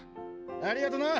ありがとうな。